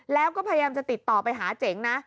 แล้วก็พยายามจะติดต่อไปหาเจ๋งนะ